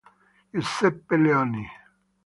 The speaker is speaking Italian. Giuseppe Leoni